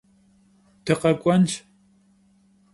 Dıkhek'uenş.